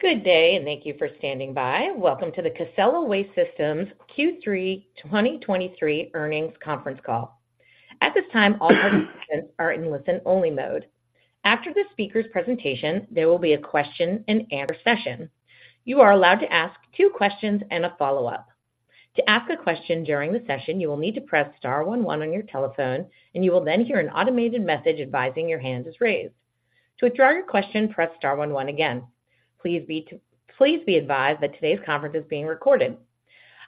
Good day, and thank you for standing by. Welcome to the Casella Waste Systems Q3 2023 earnings conference call. At this time, all participants are in listen-only mode. After the speaker's presentation, there will be a question-and-answer session. You are allowed to ask two questions and a follow-up. To ask a question during the session, you will need to press star one one on your telephone, and you will then hear an automated message advising your hand is raised. To withdraw your question, press star one one again. Please be advised that today's conference is being recorded.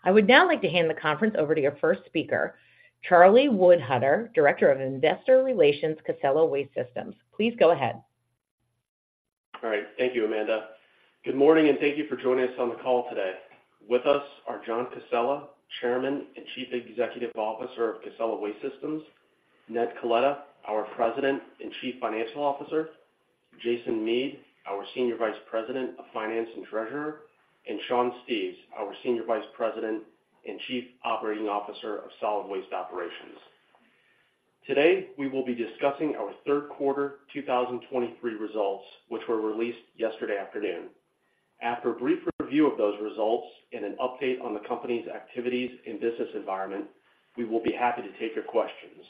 I would now like to hand the conference over to your first speaker, Charlie Wohlhuter, Director of Investor Relations, Casella Waste Systems. Please go ahead. All right. Thank you, Amanda. Good morning, and thank you for joining us on the call today. With us are John Casella, Chairman and Chief Executive Officer of Casella Waste Systems; Ned Coletta, our President and Chief Financial Officer; Jason Mead, our Senior Vice President of Finance and Treasurer; and Sean Steeves, our Senior Vice President and Chief Operating Officer of Solid Waste Operations. Today, we will be discussing our third quarter 2023 results, which were released yesterday afternoon. After a brief review of those results and an update on the company's activities and business environment, we will be happy to take your questions.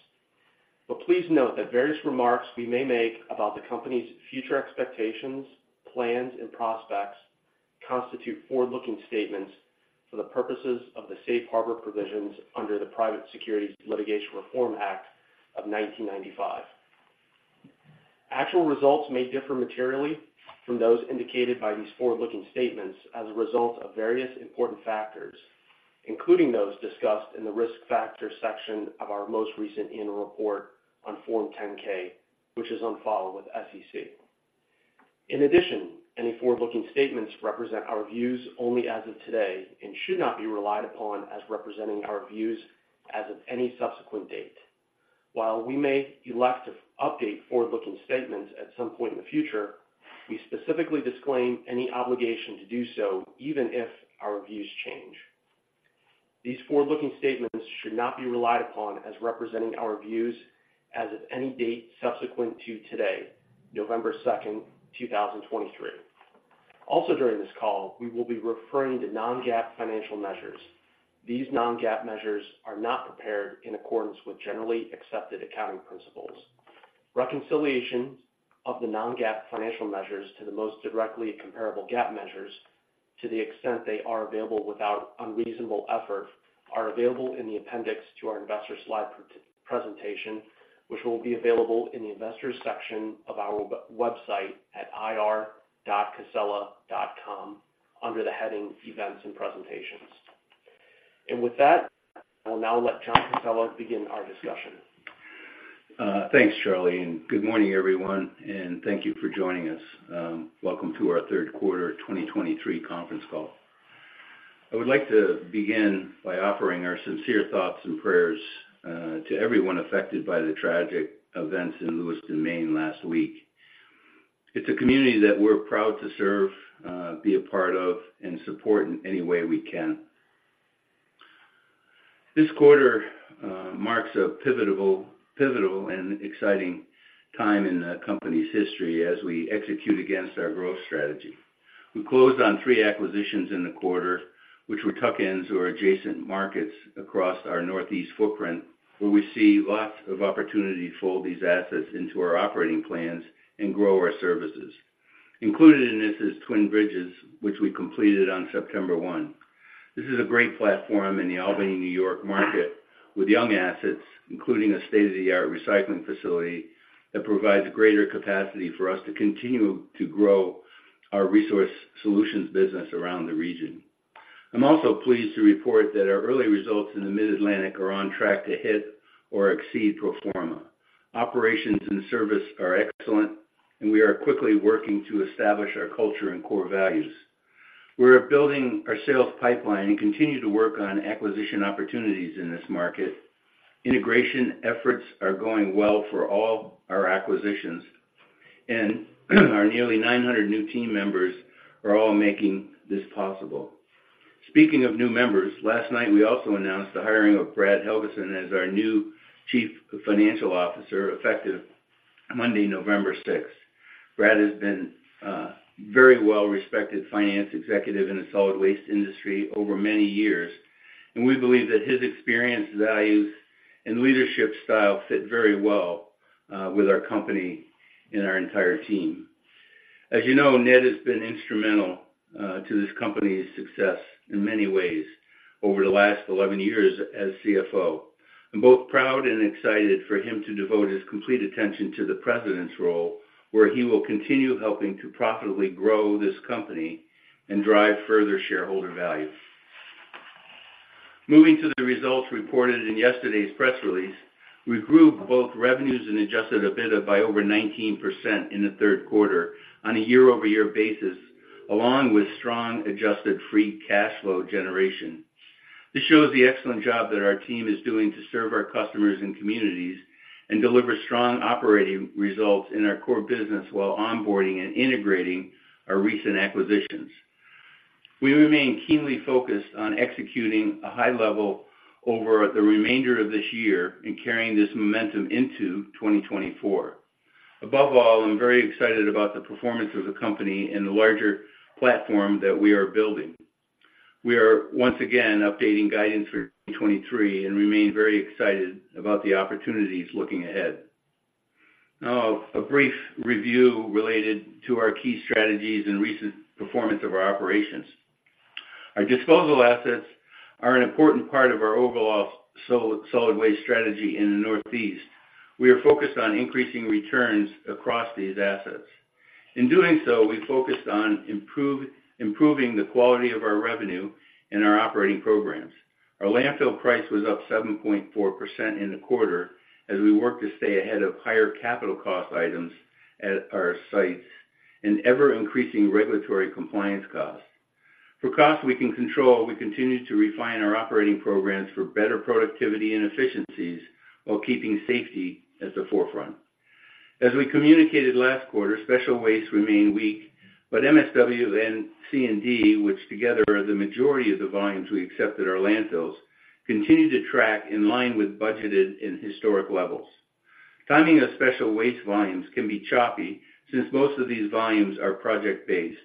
But please note that various remarks we may make about the company's future expectations, plans, and prospects constitute forward-looking statements for the purposes of the Safe Harbor provisions under the Private Securities Litigation Reform Act of 1995. Actual results may differ materially from those indicated by these forward-looking statements as a result of various important factors, including those discussed in the Risk Factors section of our most recent annual report on Form 10-K, which is on file with the SEC. In addition, any forward-looking statements represent our views only as of today and should not be relied upon as representing our views as of any subsequent date. While we may elect to update forward-looking statements at some point in the future, we specifically disclaim any obligation to do so, even if our views change. These forward-looking statements should not be relied upon as representing our views as of any date subsequent to today, November 2, 2023. Also, during this call, we will be referring to non-GAAP financial measures. These non-GAAP measures are not prepared in accordance with generally accepted accounting principles. Reconciliations of the non-GAAP financial measures to the most directly comparable GAAP measures, to the extent they are available without unreasonable effort, are available in the appendix to our investor slide pre-presentation, which will be available in the Investors section of our website at ir.casella.com, under the heading Events and Presentations. And with that, I will now let John Casella begin our discussion. Thanks, Charlie, and good morning, everyone, and thank you for joining us. Welcome to our third quarter 2023 conference call. I would like to begin by offering our sincere thoughts and prayers to everyone affected by the tragic events in Lewiston, Maine, last week. It's a community that we're proud to serve, be a part of, and support in any way we can. This quarter marks a pivotal and exciting time in the company's history as we execute against our growth strategy. We closed on three acquisitions in the quarter, which were tuck-ins or adjacent markets across our Northeast footprint, where we see lots of opportunity to fold these assets into our operating plans and grow our services. Included in this is Twin Bridges, which we completed on September 1. This is a great platform in the Albany, New York, market, with young assets, including a state-of-the-art recycling facility that provides greater capacity for us to continue to grow our resource solutions business around the region. I'm also pleased to report that our early results in the Mid-Atlantic are on track to hit or exceed pro forma. Operations and service are excellent, and we are quickly working to establish our culture and core values. We're building our sales pipeline and continue to work on acquisition opportunities in this market. Integration efforts are going well for all our acquisitions, and our nearly 900 new team members are all making this possible. Speaking of new members, last night, we also announced the hiring of Brad Helgeson as our new Chief Financial Officer, effective Monday, November sixth. Brad has been, very well-respected finance executive in the solid waste industry over many years, and we believe that his experience, values, and leadership style fit very well, with our company and our entire team. As you know, Ned has been instrumental, to this company's success in many ways over the last 11 years as CFO. I'm both proud and excited for him to devote his complete attention to the President's role, where he will continue helping to profitably grow this company and drive further shareholder value. Moving to the results reported in yesterday's press release, we grew both revenues and adjusted EBITDA by over 19% in the third quarter on a year-over-year basis, along with strong adjusted free cash flow generation. This shows the excellent job that our team is doing to serve our customers and communities and deliver strong operating results in our core business, while onboarding and integrating our recent acquisitions. We remain keenly focused on executing a high level over the remainder of this year and carrying this momentum into 2024. Above all, I'm very excited about the performance of the company and the larger platform that we are building. We are once again updating guidance for 2023, and remain very excited about the opportunities looking ahead. Now, a brief review related to our key strategies and recent performance of our operations. Our disposal assets are an important part of our overall solid waste strategy in the Northeast. We are focused on increasing returns across these assets. In doing so, we focused on improving the quality of our revenue and our operating programs. Our landfill price was up 7.4% in the quarter as we worked to stay ahead of higher capital cost items at our sites and ever-increasing regulatory compliance costs. For costs we can control, we continue to refine our operating programs for better productivity and efficiencies while keeping safety at the forefront. As we communicated last quarter, special waste remained weak, but MSW and C&D, which together are the majority of the volumes we accept at our landfills, continue to track in line with budgeted and historic levels. Timing of special waste volumes can be choppy, since most of these volumes are project-based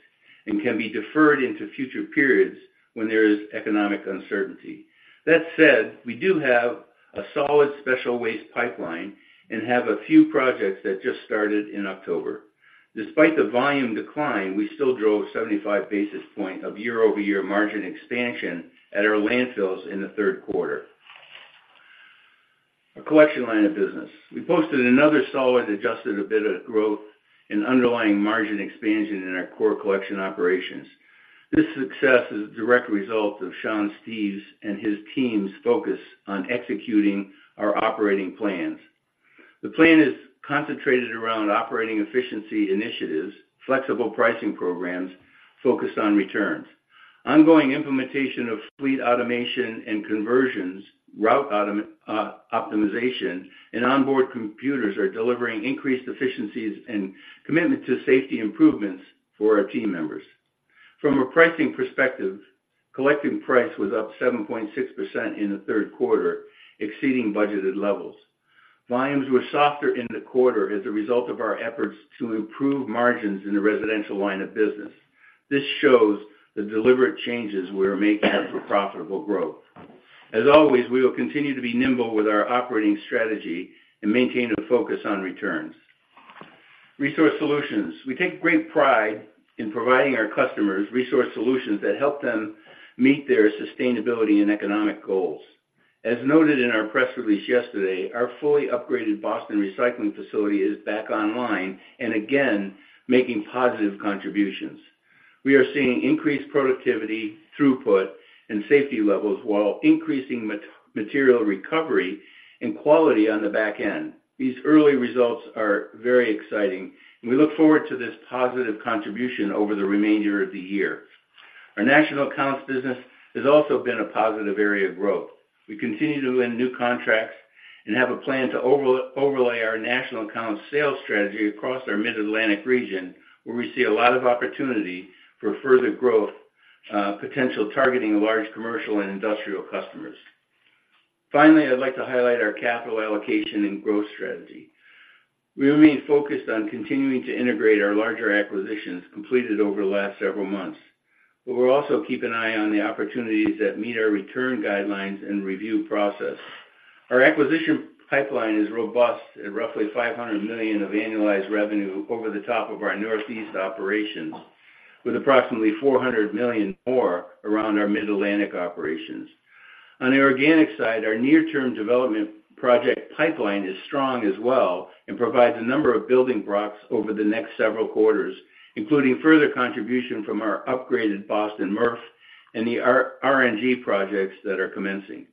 and can be deferred into future periods when there is economic uncertainty. That said, we do have a solid special waste pipeline and have a few projects that just started in October. Despite the volume decline, we still drove 75 basis points of year-over-year margin expansion at our landfills in the third quarter. Our collection line of business. We posted another solid Adjusted EBITDA growth and underlying margin expansion in our core collection operations. This success is a direct result of Sean Steeves and his team's focus on executing our operating plans. The plan is concentrated around operating efficiency initiatives, flexible pricing programs focused on returns. Ongoing implementation of fleet automation and conversions, route optimization, and onboard computers are delivering increased efficiencies and commitment to safety improvements for our team members. From a pricing perspective, collecting price was up 7.6% in the third quarter, exceeding budgeted levels. Volumes were softer in the quarter as a result of our efforts to improve margins in the residential line of business. This shows the deliberate changes we are making for profitable growth. As always, we will continue to be nimble with our operating strategy and maintain a focus on returns. Resource solutions. We take great pride in providing our customers resource solutions that help them meet their sustainability and economic goals. As noted in our press release yesterday, our fully upgraded Boston Recycling facility is back online and again, making positive contributions. We are seeing increased productivity, throughput, and safety levels while increasing material recovery and quality on the back end. These early results are very exciting, and we look forward to this positive contribution over the remainder of the year. Our national accounts business has also been a positive area of growth. We continue to win new contracts and have a plan to overlay our national accounts sales strategy across our Mid-Atlantic region, where we see a lot of opportunity for further growth, potential targeting large commercial and industrial customers. Finally, I'd like to highlight our capital allocation and growth strategy. We remain focused on continuing to integrate our larger acquisitions completed over the last several months, but we're also keeping an eye on the opportunities that meet our return guidelines and review process. Our acquisition pipeline is robust at roughly $500 million of annualized revenue over the top of our Northeast operations, with approximately $400 million more around our Mid-Atlantic operations. On the organic side, our near-term development project pipeline is strong as well and provides a number of building blocks over the next several quarters, including further contribution from our upgraded Boston MRF and the RNG projects that are commencing.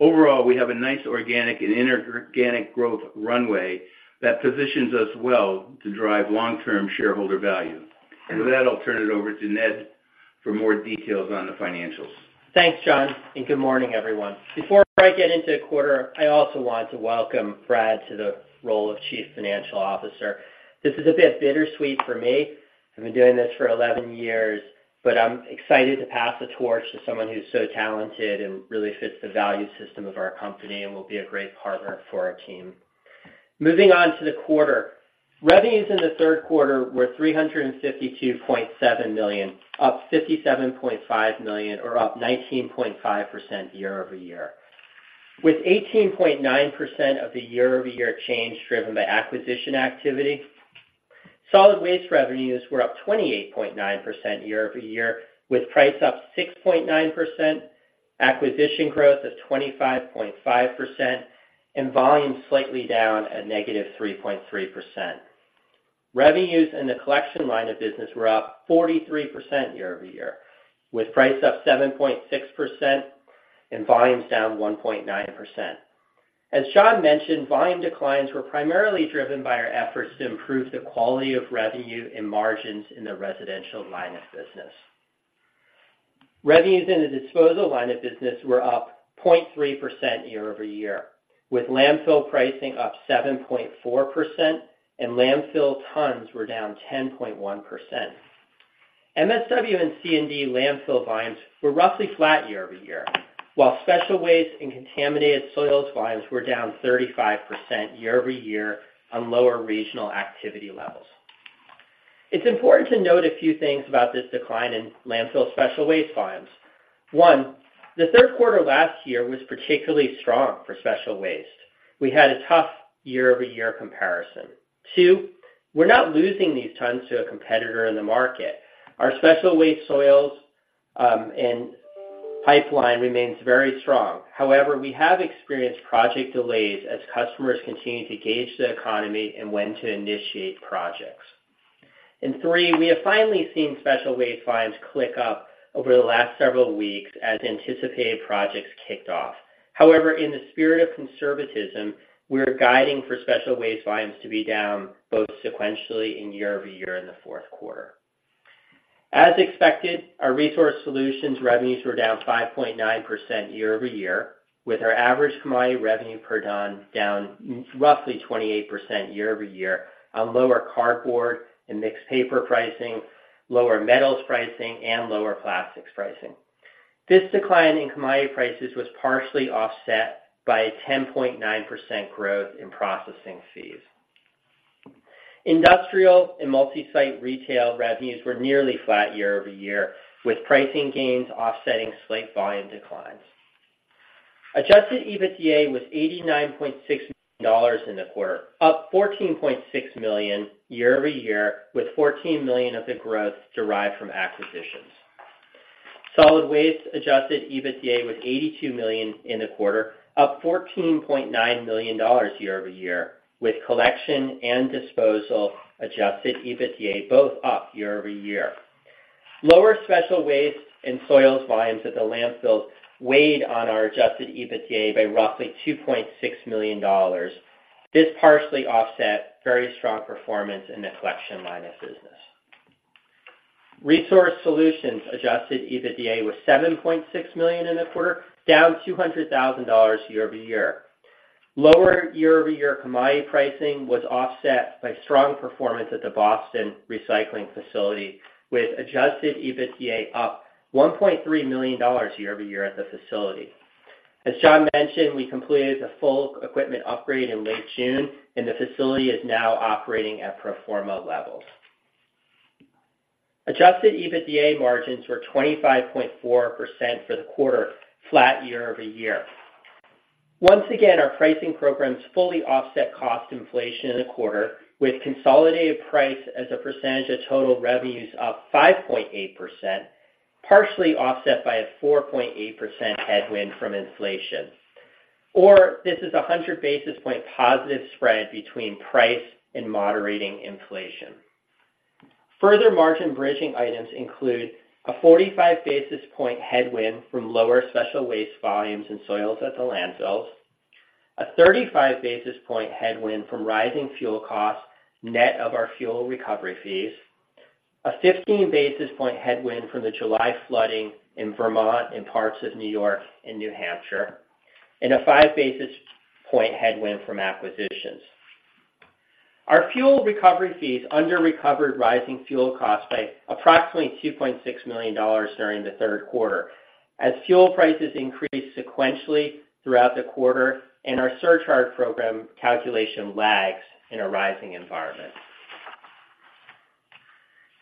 Overall, we have a nice organic and inorganic growth runway that positions us well to drive long-term shareholder value. And with that, I'll turn it over to Ned for more details on the financials. Thanks, John, and good morning, everyone. Before I get into the quarter, I also want to welcome Brad to the role of Chief Financial Officer. This is a bit bittersweet for me. I've been doing this for 11 years, but I'm excited to pass the torch to someone who's so talented and really fits the value system of our company and will be a great partner for our team. Moving on to the quarter. Revenues in the third quarter were $352.7 million, up $57.5 million or up 19.5% year-over-year, with 18.9% of the year-over-year change driven by acquisition activity. Solid waste revenues were up 28.9% year-over-year, with price up 6.9%, acquisition growth of 25.5%, and volume slightly down at -3.3%. Revenues in the collection line of business were up 43% year-over-year, with price up 7.6% and volumes down 1.9%. As John mentioned, volume declines were primarily driven by our efforts to improve the quality of revenue and margins in the residential line of business.... Revenues in the disposal line of business were up 0.3% year-over-year, with landfill pricing up 7.4% and landfill tons were down 10.1%. MSW and C&D landfill volumes were roughly flat year-over-year, while special waste and contaminated soils volumes were down 35% year-over-year on lower regional activity levels. It's important to note a few things about this decline in landfill special waste volumes. One, the third quarter last year was particularly strong for special waste. We had a tough year-over-year comparison. Two, we're not losing these tons to a competitor in the market. Our Special Waste soils, and pipeline remains very strong. However, we have experienced project delays as customers continue to gauge the economy and when to initiate projects. And three, we have finally seen Special Waste volumes click up over the last several weeks as anticipated projects kicked off. However, in the spirit of conservatism, we are guiding for Special Waste volumes to be down both sequentially and year-over-year in the fourth quarter. As expected, our Resource Solutions revenues were down 5.9% year-over-year, with our average commodity revenue per ton down roughly 28% year-over-year on lower cardboard and mixed paper pricing, lower metals pricing, and lower plastics pricing. This decline in commodity prices was partially offset by a 10.9% growth in processing fees. Industrial and multi-site retail revenues were nearly flat year-over-year, with pricing gains offsetting slight volume declines. Adjusted EBITDA was $89.6 million in the quarter, up $14.6 million year-over-year, with $14 million of the growth derived from acquisitions. Solid waste adjusted EBITDA was $82 million in the quarter, up $14.9 million year-over-year, with collection and disposal adjusted EBITDA both up year-over-year. Lower special waste and soils volumes at the landfills weighed on our adjusted EBITDA by roughly $2.6 million. This partially offset very strong performance in the collection line of business. Resource solutions adjusted EBITDA was $7.6 million in the quarter, down $200,000 year-over-year. Lower year-over-year commodity pricing was offset by strong performance at the Boston Recycling Facility, with adjusted EBITDA up $1.3 million year-over-year at the facility. As John mentioned, we completed a full equipment upgrade in late June, and the facility is now operating at pro forma levels. Adjusted EBITDA margins were 25.4% for the quarter, flat year-over-year. Once again, our pricing programs fully offset cost inflation in the quarter, with consolidated price as a percentage of total revenues up 5.8%, partially offset by a 4.8% headwind from inflation. Or this is a 100 basis point positive spread between price and moderating inflation. Further margin bridging items include a 45 basis point headwind from lower special waste volumes and soils at the landfills, a 35 basis point headwind from rising fuel costs net of our fuel recovery fees, a 15 basis point headwind from the July flooding in Vermont and parts of New York and New Hampshire, and a 5 basis point headwind from acquisitions. Our fuel recovery fees underrecovered rising fuel costs by approximately $2.6 million during the third quarter, as fuel prices increased sequentially throughout the quarter and our surcharge program calculation lags in a rising environment.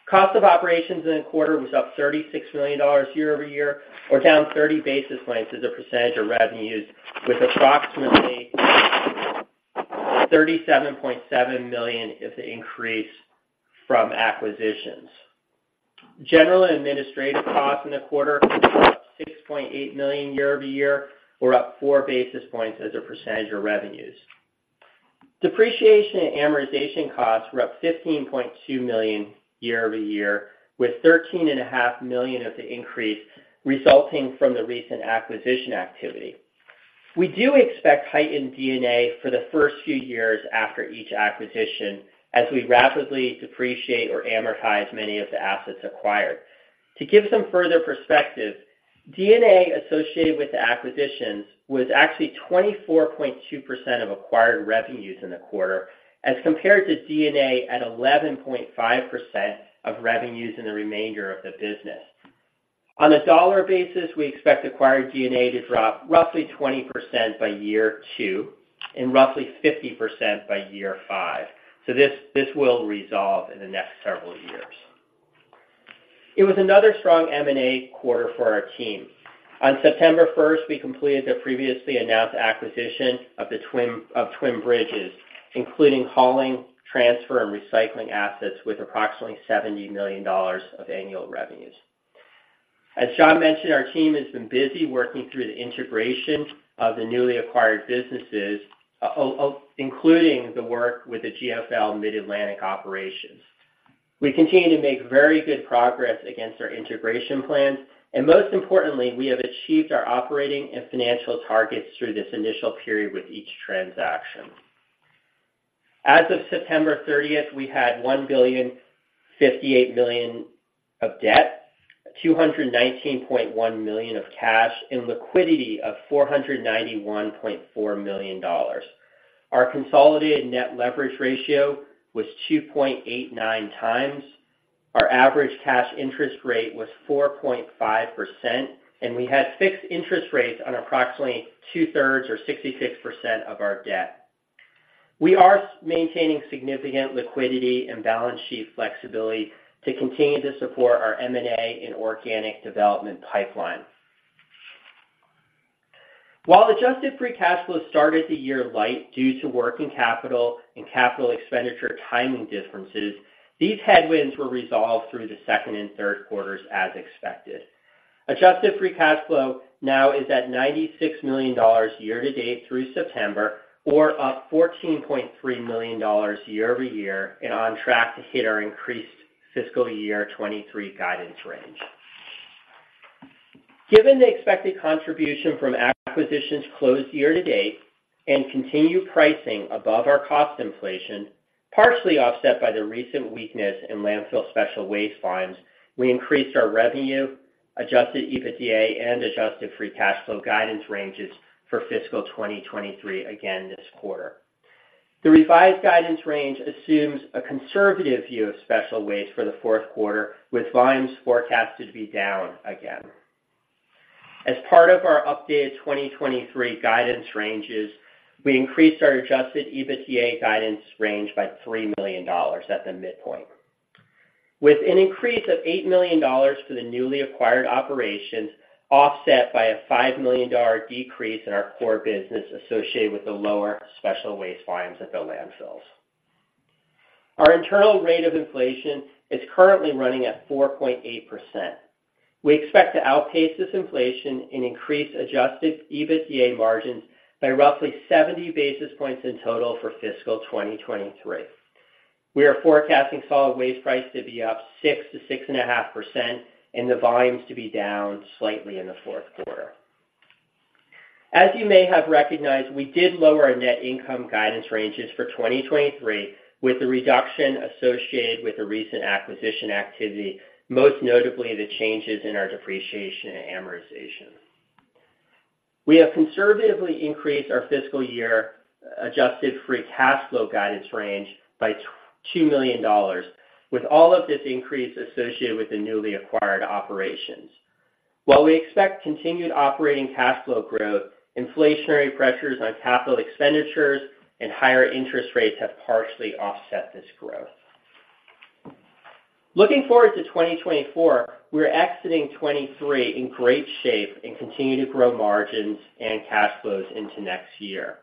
Cost of operations in the quarter was up $36 million year-over-year, or down 30 basis points as a percentage of revenues, with approximately $37.7 million of the increase from acquisitions. General and administrative costs in the quarter were up $6.8 million year-over-year, or up 4 basis points as a percentage of revenues. Depreciation and amortization costs were up $15.2 million year-over-year, with $13.5 million of the increase resulting from the recent acquisition activity. We do expect heightened D&A for the first few years after each acquisition, as we rapidly depreciate or amortize many of the assets acquired. To give some further perspective, D&A associated with the acquisitions was actually 24.2% of acquired revenues in the quarter, as compared to D&A at 11.5% of revenues in the remainder of the business. On a dollar basis, we expect acquired D&A to drop roughly 20% by year two and roughly 50% by year five. So this will resolve in the next several years. It was another strong M&A quarter for our team. On September 1, we completed the previously announced acquisition of Twin Bridges, including hauling, transfer, and recycling assets with approximately $70 million of annual revenues. As John mentioned, our team has been busy working through the integration of the newly acquired businesses, including the work with the GFL Mid-Atlantic operations. We continue to make very good progress against our integration plans, and most importantly, we have achieved our operating and financial targets through this initial period with each transaction. As of September 30, we had $1.058 billion of debt, $219.1 million of cash, and liquidity of $491.4 million. Our consolidated net leverage ratio was 2.89 times. Our average cash interest rate was 4.5%, and we had fixed interest rates on approximately two-thirds or 66% of our debt. We are maintaining significant liquidity and balance sheet flexibility to continue to support our M&A and organic development pipeline. While adjusted free cash flow started the year light due to working capital and capital expenditure timing differences, these headwinds were resolved through the second and third quarters as expected. Adjusted free cash flow now is at $96 million year-to-date through September, or up $14.3 million year-over-year and on track to hit our increased fiscal year 2023 guidance range. Given the expected contribution from acquisitions closed year-to-date and continued pricing above our cost inflation, partially offset by the recent weakness in landfill special waste volumes, we increased our revenue, adjusted EBITDA, and adjusted free cash flow guidance ranges for fiscal 2023 again this quarter. The revised guidance range assumes a conservative view of special waste for the fourth quarter, with volumes forecasted to be down again. As part of our updated 2023 guidance ranges, we increased our Adjusted EBITDA guidance range by $3 million at the midpoint, with an increase of $8 million for the newly acquired operations, offset by a $5 million decrease in our core business associated with the lower special waste volumes at the landfills. Our internal rate of inflation is currently running at 4.8%. We expect to outpace this inflation and increase Adjusted EBITDA margins by roughly 70 basis points in total for fiscal 2023. We are forecasting solid waste price to be up 6%-6.5% and the volumes to be down slightly in the fourth quarter. As you may have recognized, we did lower our net income guidance ranges for 2023, with the reduction associated with the recent acquisition activity, most notably the changes in our depreciation and amortization. We have conservatively increased our fiscal year adjusted free cash flow guidance range by $2 million, with all of this increase associated with the newly acquired operations. While we expect continued operating cash flow growth, inflationary pressures on capital expenditures and higher interest rates have partially offset this growth. Looking forward to 2024, we're exiting 2023 in great shape and continue to grow margins and cash flows into next year.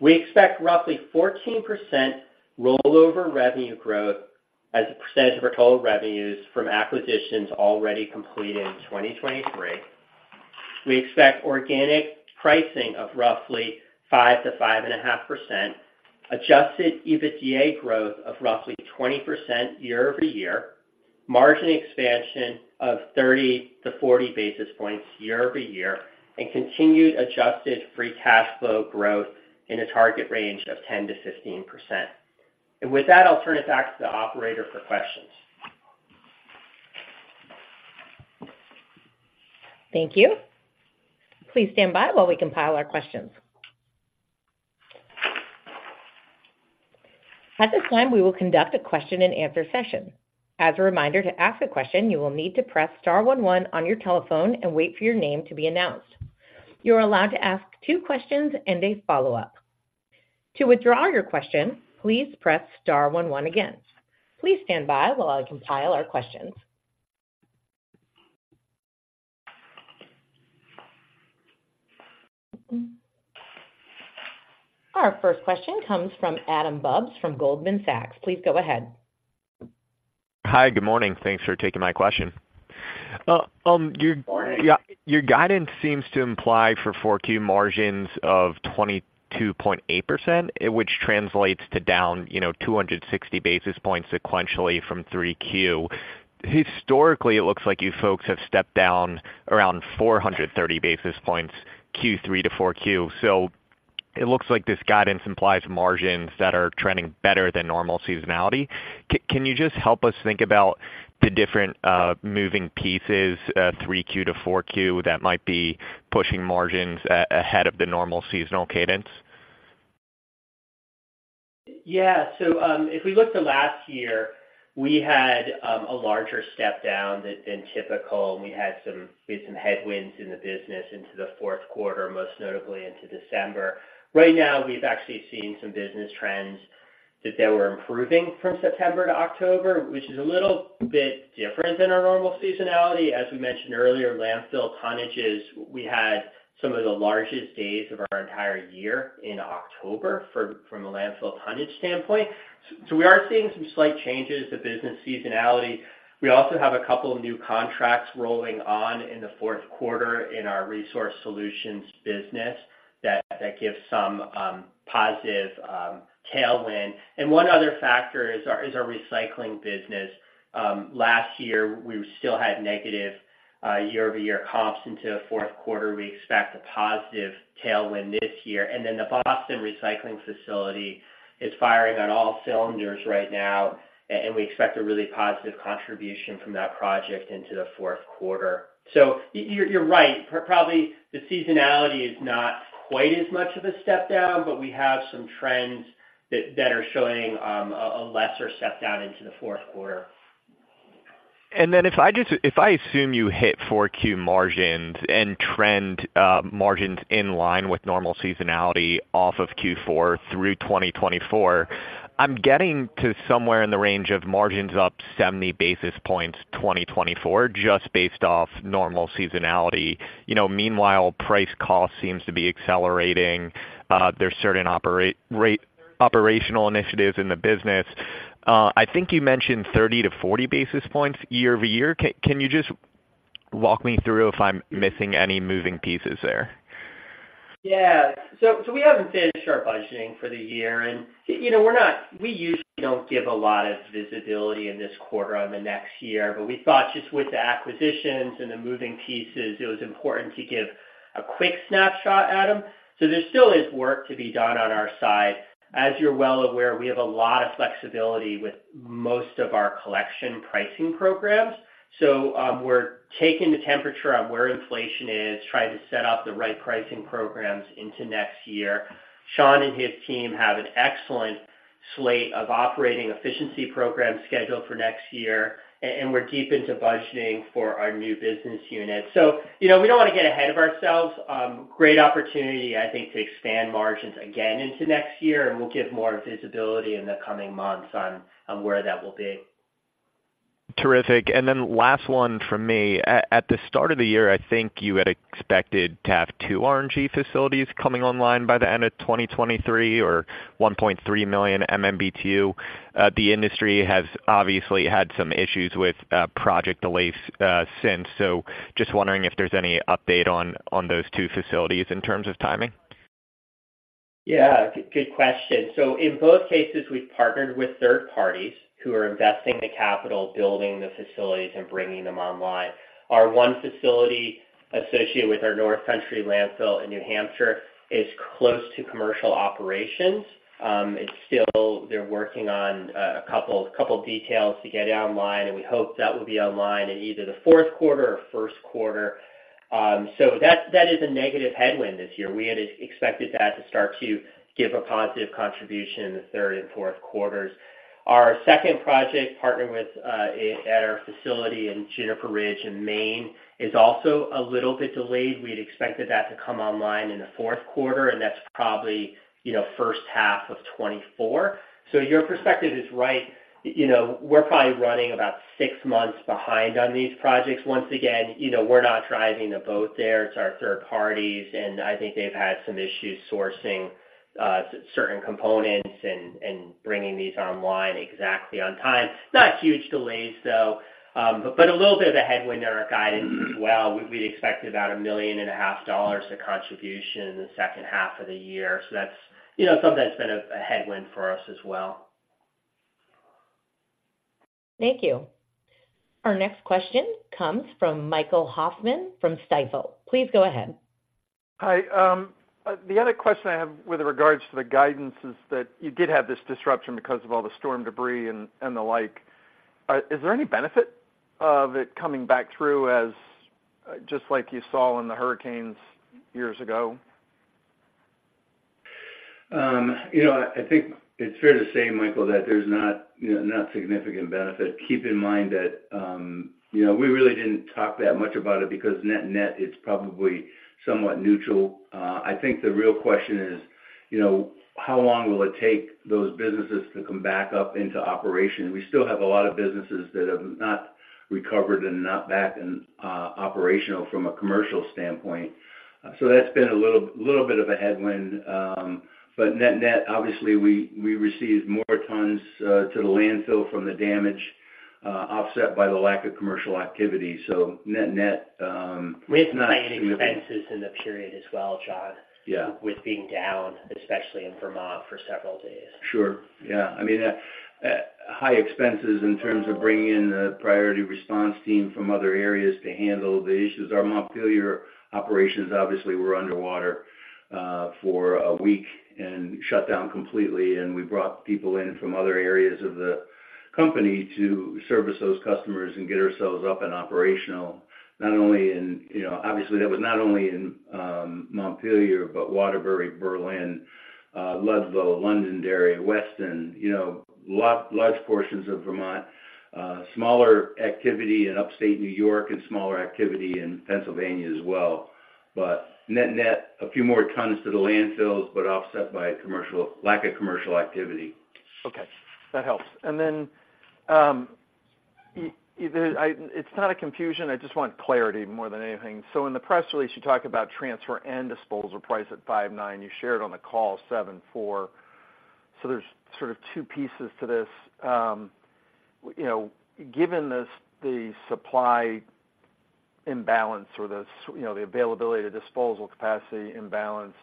We expect roughly 14% rollover revenue growth as a percentage of our total revenues from acquisitions already completed in 2023. We expect organic pricing of roughly 5%-5.5%, Adjusted EBITDA growth of roughly 20% year-over-year, margin expansion of 30-40 basis points year-over-year, and continued Adjusted Free Cash Flow growth in a target range of 10%-15%. With that, I'll turn it back to the operator for questions. Thank you. Please stand by while we compile our questions. At this time, we will conduct a question-and-answer session. As a reminder, to ask a question, you will need to press star one one on your telephone and wait for your name to be announced. You are allowed to ask two questions and a follow-up. To withdraw your question, please press star one one again. Please stand by while I compile our questions. Our first question comes from Adam Bubes from Goldman Sachs. Please go ahead. Hi, good morning. Thanks for taking my question. Your guidance seems to imply Q4 margins of 22.8%, which translates to down, you know, 260 basis points sequentially from Q3. Historically, it looks like you folks have stepped down around 430 basis points, Q3 to Q4. So it looks like this guidance implies margins that are trending better than normal seasonality. Can you just help us think about the different moving pieces, Q3 to Q4, that might be pushing margins ahead of the normal seasonal cadence? Yeah. So, if we look to last year, we had a larger step down than typical, and we had some headwinds in the business into the fourth quarter, most notably into December. Right now, we've actually seen some business trends that they were improving from September to October, which is a little bit different than our normal seasonality. As we mentioned earlier, landfill tonnages, we had some of the largest days of our entire year in October from a landfill tonnage standpoint. So we are seeing some slight changes to business seasonality. We also have a couple of new contracts rolling on in the fourth quarter in our resource solutions business that gives some positive tailwind. And one other factor is our recycling business. Last year, we still had negative year-over-year comps into the fourth quarter. We expect a positive tailwind this year. And then the Boston recycling facility is firing on all cylinders right now, and we expect a really positive contribution from that project into the fourth quarter. So you're right. Probably the seasonality is not quite as much of a step down, but we have some trends that are showing a lesser step down into the fourth quarter. ...Then if I assume you hit Q4 margins and trend margins in line with normal seasonality off of Q4 through 2024, I'm getting to somewhere in the range of margins up 70 basis points, 2024, just based off normal seasonality. You know, meanwhile, price cost seems to be accelerating. There's certain operational initiatives in the business. I think you mentioned 30-40 basis points year-over-year. Can you just walk me through if I'm missing any moving pieces there? Yeah. So we haven't finished our budgeting for the year, and, you know, we're not, we usually don't give a lot of visibility in this quarter on the next year, but we thought just with the acquisitions and the moving pieces, it was important to give a quick snapshot, Adam. So there still is work to be done on our side. As you're well aware, we have a lot of flexibility with most of our collection pricing programs. So, we're taking the temperature on where inflation is, trying to set up the right pricing programs into next year. Sean and his team have an excellent slate of operating efficiency programs scheduled for next year, and we're deep into budgeting for our new business unit. So, you know, we don't want to get ahead of ourselves. Great opportunity, I think, to expand margins again into next year, and we'll give more visibility in the coming months on where that will be. Terrific. And then last one from me. At the start of the year, I think you had expected to have two RNG facilities coming online by the end of 2023, or 1.3 million MMBTU. The industry has obviously had some issues with project delays since. So just wondering if there's any update on those two facilities in terms of timing? Yeah, good question. So in both cases, we've partnered with third parties who are investing the capital, building the facilities, and bringing them online. Our one facility associated with our North Country Landfill in New Hampshire is close to commercial operations. It's still... They're working on a couple, couple of details to get it online, and we hope that will be online in either the fourth quarter or first quarter. So that, that is a negative headwind this year. We had expected that to start to give a positive contribution in the third and fourth quarters. Our second project, partnered with, at our facility in Juniper Ridge in Maine, is also a little bit delayed. We'd expected that to come online in the fourth quarter, and that's probably, you know, first half of 2024. So your perspective is right. You know, we're probably running about 6 months behind on these projects. Once again, you know, we're not driving the boat there. It's our third parties, and I think they've had some issues sourcing certain components and bringing these online exactly on time. Not huge delays, though, but a little bit of a headwind in our guidance as well. We'd expect about $1.5 million of contribution in the second half of the year. So that's, you know, something that's been a headwind for us as well. Thank you. Our next question comes from Michael Hoffman from Stifel. Please go ahead. Hi. The other question I have with regards to the guidance is that you did have this disruption because of all the storm debris and the like. Is there any benefit of it coming back through as just like you saw in the hurricanes years ago? You know, I think it's fair to say, Michael, that there's not, you know, not significant benefit. Keep in mind that, you know, we really didn't talk that much about it because net-net, it's probably somewhat neutral. I think the real question is, you know, how long will it take those businesses to come back up into operation? We still have a lot of businesses that have not recovered and not back and operational from a commercial standpoint. So that's been a little bit of a headwind, but net-net, obviously, we received more tons to the landfill from the damage, offset by the lack of commercial activity. So net-net, not- We had planning expenses in the period as well, Sean- Yeah. with being down, especially in Vermont, for several days. Sure. Yeah. I mean, high expenses in terms of bringing in the priority response team from other areas to handle the issues. Our Montpelier operations, obviously, were underwater for a week and shut down completely, and we brought people in from other areas of the company to service those customers and get ourselves up and operational. Not only in, you know, obviously, that was not only in Montpelier, but Waterbury, Berlin, Ludlow, Londonderry, Weston, you know, large portions of Vermont. Smaller activity in upstate New York and smaller activity in Pennsylvania as well. But net-net, a few more tons to the landfills, but offset by commercial lack of commercial activity. Okay, that helps. Then, I... It's not a confusion, I just want clarity more than anything. So in the press release, you talked about transfer and disposal price at 5.9. You shared on the call 7.4. So there's sort of two pieces to this. You know, given this, the supply imbalance or this, you know, the availability to disposal capacity imbalance,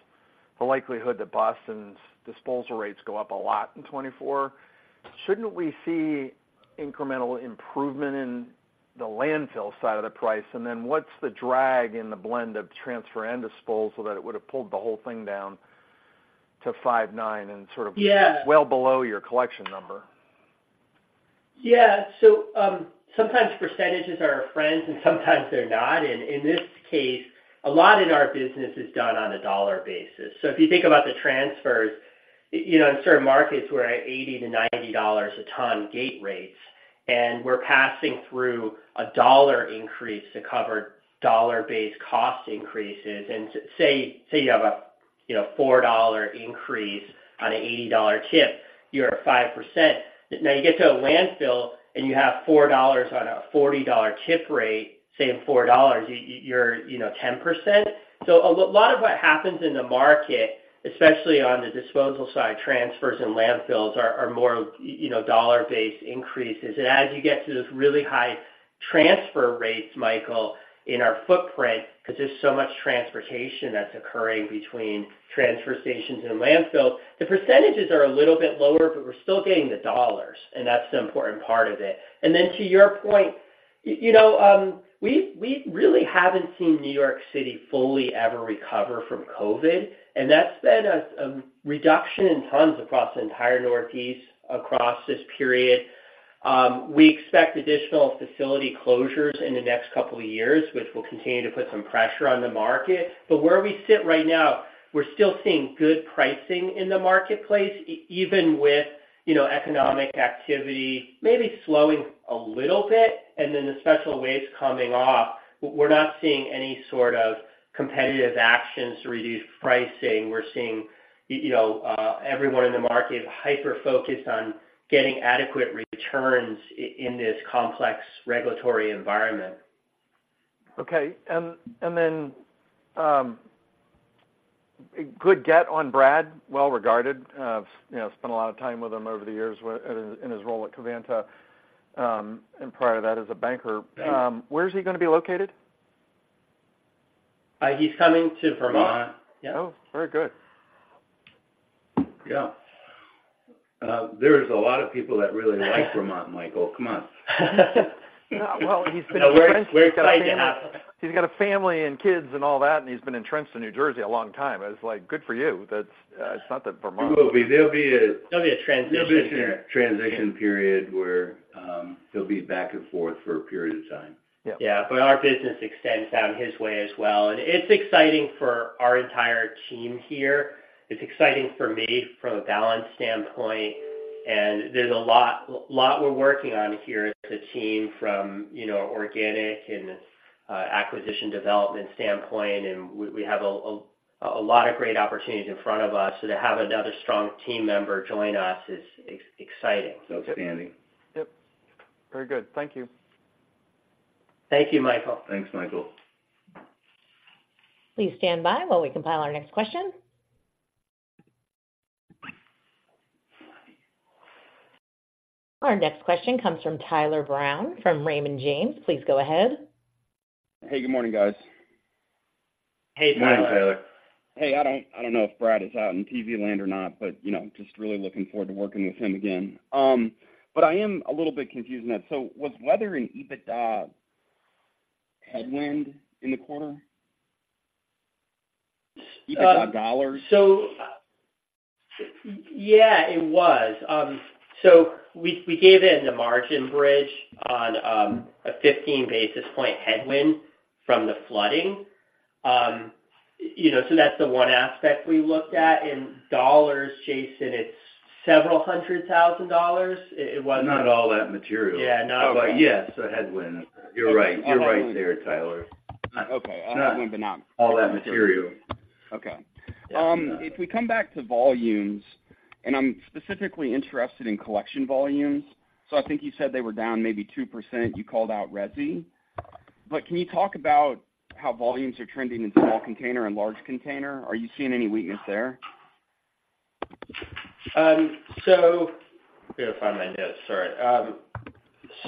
the likelihood that Boston's disposal rates go up a lot in 2024, shouldn't we see incremental improvement in the landfill side of the price? And then what's the drag in the blend of transfer and disposal that it would have pulled the whole thing down to 5.9 and sort of- Yeah... well below your collection number? Yeah. So, sometimes percentages are our friends, and sometimes they're not. And in this case, a lot in our business is done on a dollar basis. So if you think about the transfers... You know, in certain markets, we're at $80-$90 a ton gate rates, and we're passing through a $1 increase to cover dollar-based cost increases. And say, say, you have a, you know, $4 increase on an $80 tip, you're at 5%. Now, you get to a landfill, and you have $4 on a $40 tip rate, say, $4, you're, you know, 10%. So a lot of what happens in the market, especially on the disposal side, transfers and landfills, are more, you know, dollar-based increases. And as you get to those really high transfer rates, Michael, in our footprint, because there's so much transportation that's occurring between transfer stations and landfills, the percentages are a little bit lower, but we're still getting the dollars, and that's the important part of it. And then to your point, you know, we really haven't seen New York City fully ever recover from COVID, and that's been a reduction in tons across the entire Northeast, across this period. We expect additional facility closures in the next couple of years, which will continue to put some pressure on the market. But where we sit right now, we're still seeing good pricing in the marketplace, even with, you know, economic activity, maybe slowing a little bit, and then the special waste coming off. We're not seeing any sort of competitive actions to reduce pricing. We're seeing, you know, everyone in the market hyper-focused on getting adequate returns in this complex regulatory environment. Okay. And then, a good get on Brad, well regarded. You know, spent a lot of time with him over the years in his role at Covanta, and prior to that, as a banker. Where is he gonna be located? He's coming to Vermont. Vermont. Yeah. Oh, very good. Yeah. There's a lot of people that really like Vermont, Michael, come on. Well, he's been- We're excited to have him. He's got a family and kids and all that, and he's been in Trenton, New Jersey, a long time. I was like, "Good for you." That's, it's something, Vermont. There'll be a- There'll be a transition period. There'll be a transition period where, he'll be back and forth for a period of time. Yeah. Yeah, but our business extends down his way as well. It's exciting for our entire team here. It's exciting for me from a balance standpoint, and there's a lot, lot we're working on here as a team from, you know, organic and acquisition development standpoint, and we have a lot of great opportunities in front of us. So to have another strong team member join us is exciting. Outstanding. Yep. Very good. Thank you. Thank you, Michael. Thanks, Michael. Please stand by while we compile our next question. Our next question comes from Tyler Brown from Raymond James. Please go ahead. Hey, good morning, guys. Hey, Tyler. Good morning, Tyler. Hey, I don't know if Brad is out in TV land or not, but, you know, just really looking forward to working with him again. But I am a little bit confused, Ned. So was weather an EBITDA headwind in the quarter? EBITDA dollars. So, yeah, it was. So we gave it in the margin bridge on a 15 basis points headwind from the flooding. You know, so that's the one aspect we looked at. In dollars, Jason, it's $ several hundred thousand. It was- Not at all that material. Yeah, no. But yes, a headwind. You're right. You're right there, Tyler. Okay. Not- A headwind, but not- - all that material. Okay. Yeah. If we come back to volumes, and I'm specifically interested in collection volumes, so I think you said they were down maybe 2%, you called out resi. But can you talk about how volumes are trending into small container and large container? Are you seeing any weakness there? So... Let me find my notes, sorry.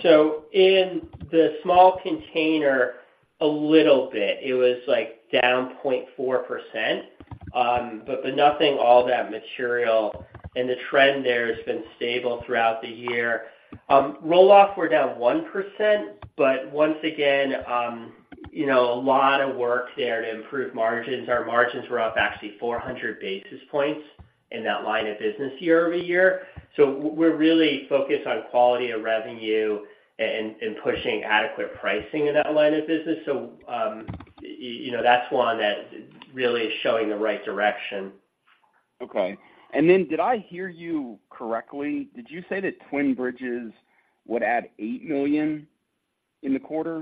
So in the small container, a little bit. It was, like, down 0.4%, but nothing all that material. And the trend there has been stable throughout the year. Roll-off, we're down 1%, but once again, you know, a lot of work there to improve margins. Our margins were up actually 400 basis points in that line of business year-over-year. So we're really focused on quality of revenue and, and pushing adequate pricing in that line of business. So, you know, that's one that really is showing the right direction. Okay. And then did I hear you correctly? Did you say that Twin Bridges would add $8 million in the quarter?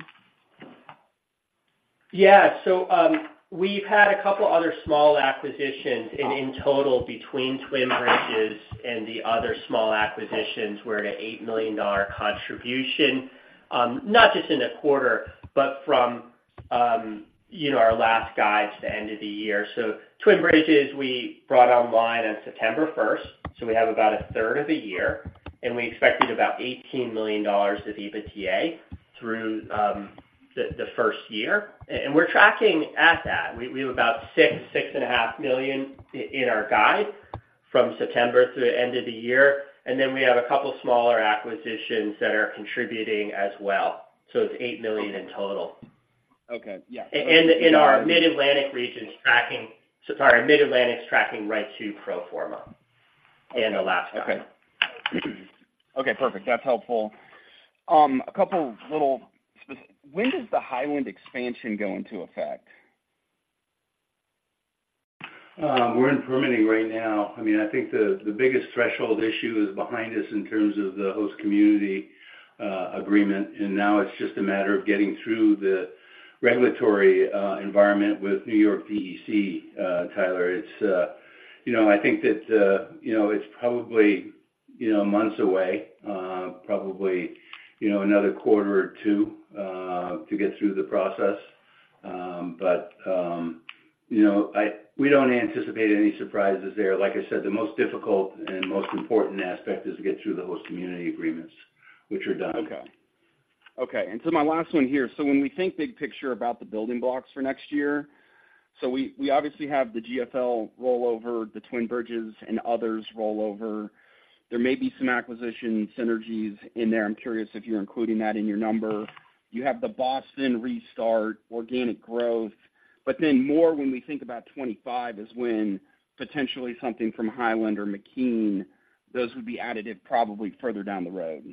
Yeah. So, we've had a couple other small acquisitions, and in total, between Twin Bridges and the other small acquisitions, we're at a $8 million contribution. Not just in the quarter, but from, you know, our last guide to the end of the year. So Twin Bridges, we brought online on September first, so we have about a third of the year, and we expected about $18 million of EBITDA through the first year. And we're tracking at that. We have about $6-$6.5 million in our guide from September through the end of the year, and then we have a couple smaller acquisitions that are contributing as well. So it's $8 million in total. Okay. Yeah- Our mid-Atlantic region is tracking... Sorry, mid-Atlantic is tracking right to pro forma in the last quarter. Okay, perfect. That's helpful. When does the Hyland expansion go into effect? We're in permitting right now. I mean, I think the biggest threshold issue is behind us in terms of the host community agreement, and now it's just a matter of getting through the regulatory environment with New York DEC, Tyler. It's... You know, I think that, you know, it's probably, you know, months away, probably, you know, another quarter or two, to get through the process. But, you know, we don't anticipate any surprises there. Like I said, the most difficult and most important aspect is to get through the host community agreements, which are done. Okay. Okay, and so my last one here: so when we think big picture about the building blocks for next year, so we, we obviously have the GFL rollover, the Twin Bridges, and others rollover. There may be some acquisition synergies in there. I'm curious if you're including that in your number. You have the Boston restart, organic growth, but then more, when we think about 25, is when potentially something from Hyland or McKean, those would be additive, probably further down the road.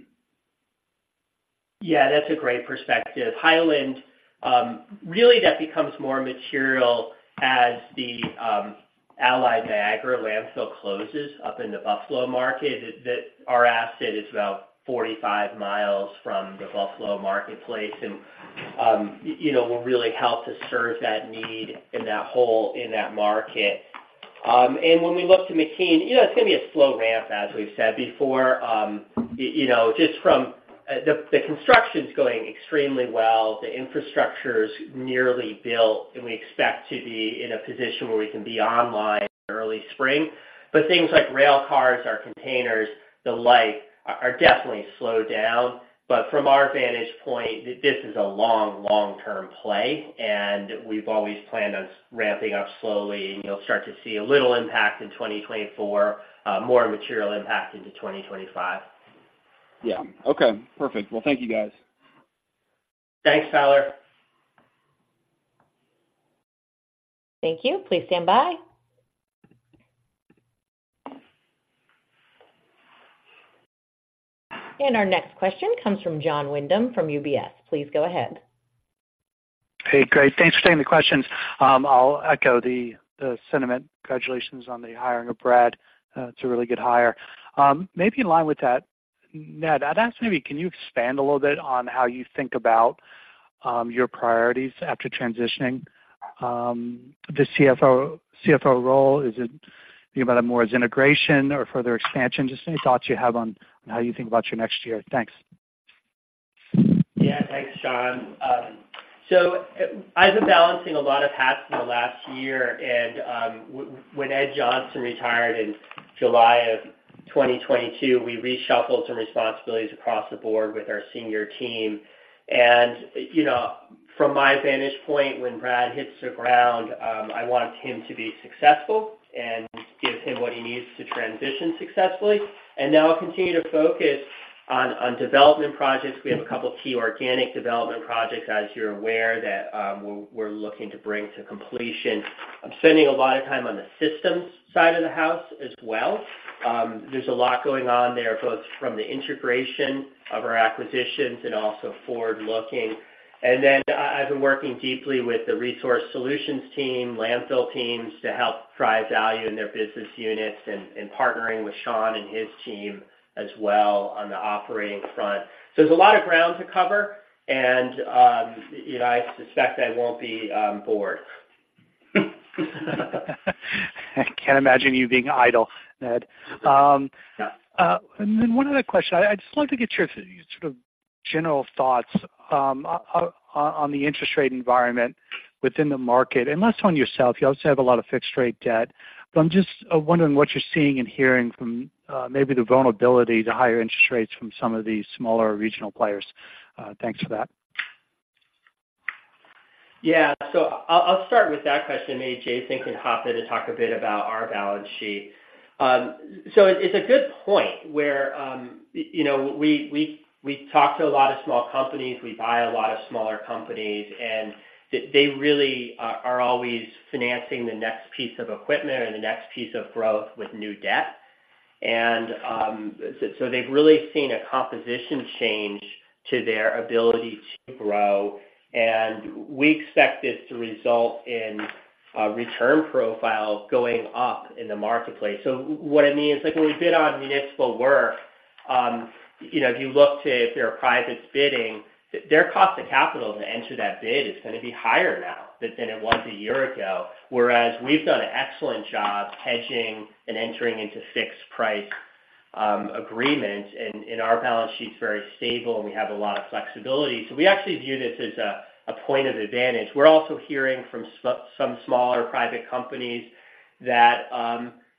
Yeah, that's a great perspective. Hyland really becomes more material as the Allied Niagara landfill closes up in the Buffalo market, that our asset is about 45 miles from the Buffalo marketplace and, you know, will really help to serve that need and that hole in that market. And when we look to McKean, you know, it's gonna be a slow ramp, as we've said before. You know, construction's going extremely well. The infrastructure is nearly built, and we expect to be in a position where we can be online early spring. But things like rail cars or containers, the like, are definitely slowed down. But from our vantage point, this is a long, long-term play, and we've always planned on ramping up slowly, and you'll start to see a little impact in 2024, more material impact into 2025. Yeah. Okay, perfect. Well, thank you, guys. Thanks, Tyler. Thank you. Please stand by. Our next question comes from Jon Windham from UBS. Please go ahead. Hey, great. Thanks for taking the questions. I'll echo the sentiment. Congratulations on the hiring of Brad. It's a really good hire. Maybe in line with that, Ned, I'd ask, maybe, can you expand a little bit on how you think about your priorities after transitioning the CFO role? Is it think about it more as integration or further expansion? Just any thoughts you have on how you think about your next year. Thanks. Yeah. Thanks, John. So, I've been balancing a lot of hats in the last year, and, when Ed Johnson retired in July of 2022, we reshuffled some responsibilities across the board with our senior team. And, you know, from my vantage point, when Brad hits the ground, I want him to be successful and give him what he needs to transition successfully. And now I'll continue to focus on, on development projects. We have a couple of key organic development projects, as you're aware, that, we're, we're looking to bring to completion. I'm spending a lot of time on the systems side of the house as well. There's a lot going on there, both from the integration of our acquisitions and also forward-looking. And then I've been working deeply with the resource solutions team, landfill teams, to help drive value in their business units and partnering with Sean and his team as well on the operating front. So there's a lot of ground to cover, and you know, I suspect I won't be bored. I can't imagine you being idle, Ned. Then one other question. I'd just like to get your sort of general thoughts on the interest rate environment within the market, and less on yourself. You also have a lot of fixed rate debt, but I'm just wondering what you're seeing and hearing from maybe the vulnerability to higher interest rates from some of these smaller regional players. Thanks for that. Yeah. So I'll start with that question. Maybe Jason can hop in to talk a bit about our balance sheet. So it's a good point where, you know, we talk to a lot of small companies, we buy a lot of smaller companies, and they really are always financing the next piece of equipment and the next piece of growth with new debt. And so they've really seen a composition change to their ability to grow, and we expect this to result in a return profile going up in the marketplace. So what I mean is, like, when we bid on municipal work, you know, if you look to if they're private bidding, their cost to capital to enter that bid is gonna be higher now than it was a year ago. Whereas we've done an excellent job hedging and entering into fixed price agreements, and our balance sheet is very stable, and we have a lot of flexibility. So we actually view this as a point of advantage. We're also hearing from some smaller private companies that,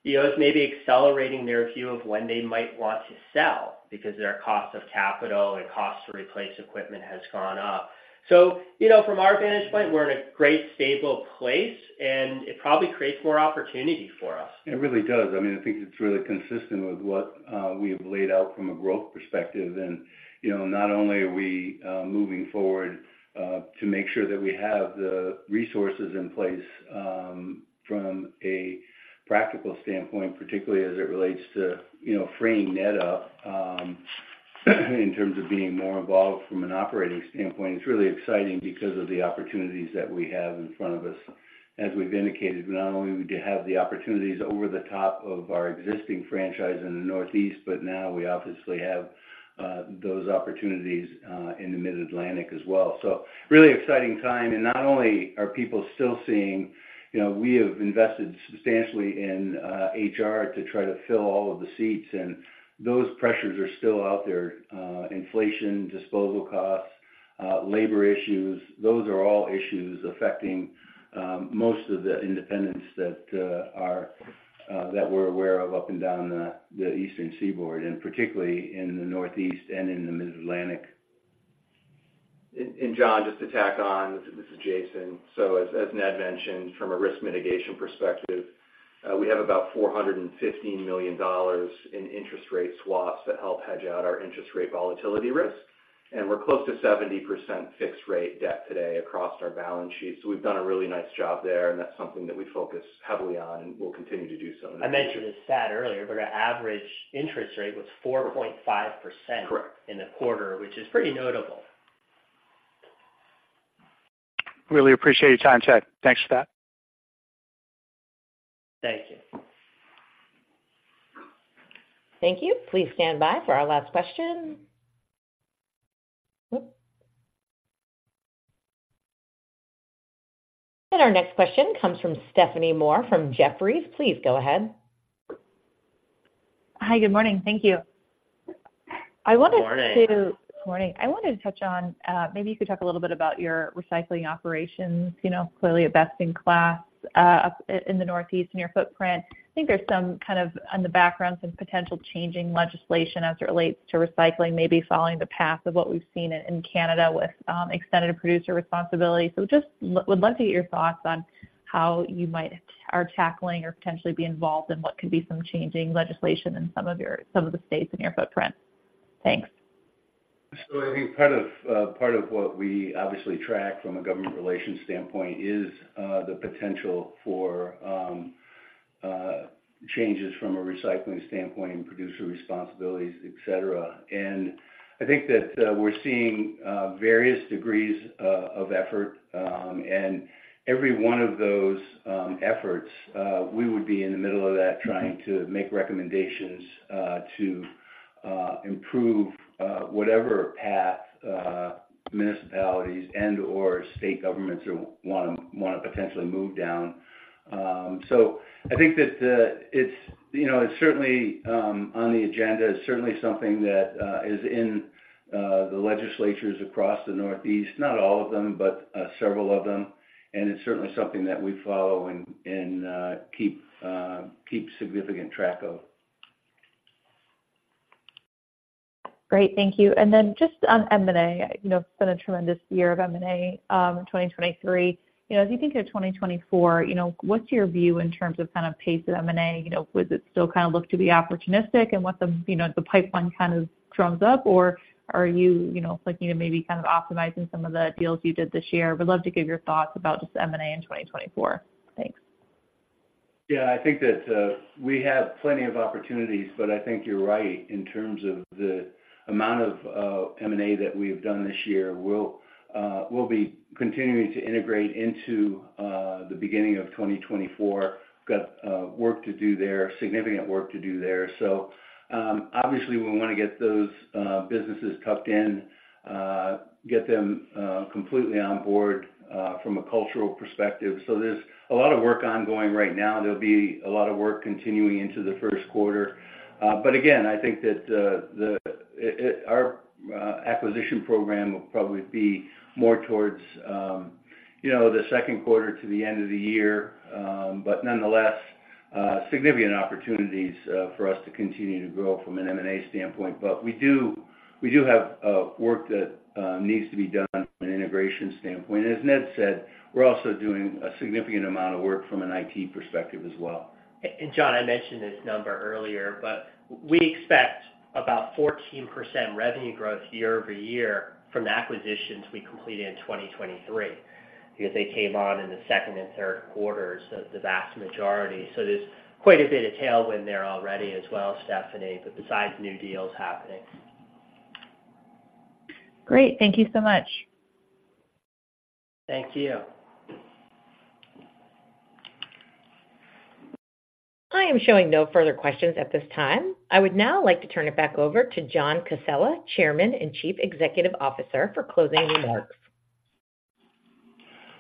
you know, it's maybe accelerating their view of when they might want to sell because their cost of capital and cost to replace equipment has gone up. So, you know, from our vantage point, we're in a great, stable place, and it probably creates more opportunity for us. It really does. I mean, I think it's really consistent with what we have laid out from a growth perspective. And, you know, not only are we moving forward to make sure that we have the resources in place from a practical standpoint, particularly as it relates to, you know, freeing Ned up in terms of being more involved from an operating standpoint, it's really exciting because of the opportunities that we have in front of us. As we've indicated, not only do we have the opportunities over the top of our existing franchise in the Northeast, but now we obviously have those opportunities in the Mid-Atlantic as well. So really exciting time, and not only are people still seeing, you know, we have invested substantially in HR to try to fill all of the seats, and those pressures are still out there. Inflation, disposal costs, labor issues, those are all issues affecting most of the independents that we're aware of up and down the Eastern Seaboard, and particularly in the Northeast and in the Mid-Atlantic. And John, just to tack on, this is Jason. So as Ned mentioned, from a risk mitigation perspective, we have about $415 million in interest rate swaps that help hedge out our interest rate volatility risk, and we're close to 70% fixed rate debt today across our balance sheet. So we've done a really nice job there, and that's something that we focus heavily on and will continue to do so. I mentioned this stat earlier, but our average interest rate was 4.5%. Correct. in the quarter, which is pretty notable. Really appreciate your time, Ted. Thanks for that. Thank you. Thank you. Please stand by for our last question. Oops! And our next question comes from Stephanie Moore from Jefferies. Please go ahead. Hi, good morning. Thank you. I wanted to- Good morning. Good morning. I wanted to touch on, maybe you could talk a little bit about your recycling operations, you know, clearly a best-in-class, up in the Northeast in your footprint. I think there's some kind of, on the background, some potential changing legislation as it relates to recycling, maybe following the path of what we've seen in Canada with extended producer responsibility. So just would love to get your thoughts on how you might are tackling or potentially be involved in what could be some changing legislation in some of your some of the states in your footprint. Thanks. So I think part of, part of what we obviously track from a government relations standpoint is, the potential for, changes from a recycling standpoint and producer responsibilities, et cetera. And I think that, we're seeing, various degrees, of effort, and every one of those, efforts, we would be in the middle of that, trying to make recommendations, to, improve, whatever path, municipalities and/or state governments want to, want to potentially move down. So I think that it's, you know, it's certainly, on the agenda. It's certainly something that, is in, the legislatures across the Northeast. Not all of them, but, several of them. And it's certainly something that we follow and, keep, keep significant track of. Great. Thank you. And then just on M&A, you know, it's been a tremendous year of M&A in 2023. You know, as you think of 2024, you know, what's your view in terms of kind of pace of M&A? You know, would it still kind of look to be opportunistic and what the, you know, the pipeline kind of drums up, or are you, you know, looking to maybe kind of optimizing some of the deals you did this year? Would love to get your thoughts about just M&A in 2024. Thanks. Yeah, I think that we have plenty of opportunities, but I think you're right in terms of the amount of M&A that we've done this year. We'll be continuing to integrate into the beginning of 2024. Got work to do there, significant work to do there. So obviously, we want to get those businesses tucked in, get them completely on board from a cultural perspective. So there's a lot of work ongoing right now. There'll be a lot of work continuing into the first quarter. But again, I think that the, it, it—our acquisition program will probably be more towards, you know, the second quarter to the end of the year. But nonetheless, significant opportunities for us to continue to grow from an M&A standpoint. But we do, we do have work that needs to be done from an integration standpoint. As Ned said, we're also doing a significant amount of work from an IT perspective as well. John, I mentioned this number earlier, but we expect about 14% revenue growth year-over-year from the acquisitions we completed in 2023, because they came on in the second and third quarters, so the vast majority. There's quite a bit of tailwind there already as well, Stephanie, but besides new deals happening. Great. Thank you so much. Thank you. I am showing no further questions at this time. I would now like to turn it back over to John Casella, Chairman and Chief Executive Officer, for closing remarks.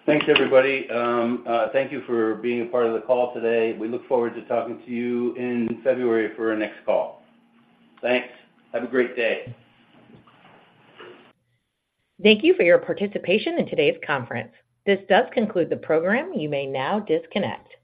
Thanks, everybody. Thank you for being a part of the call today. We look forward to talking to you in February for our next call. Thanks. Have a great day. Thank you for your participation in today's conference. This does conclude the program. You may now disconnect.